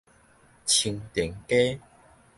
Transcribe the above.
青田街